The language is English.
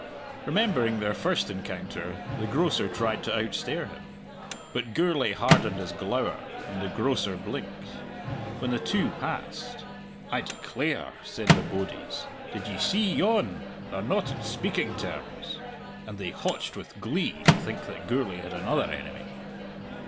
Remembering their first encounter, the grocer tried to outstare him; but Gourlay hardened his glower, and the grocer blinked. When the two passed, "I declare!" said the bodies, "did ye see yon? they're not on speaking terms!" And they hotched with glee to think that Gourlay had another enemy.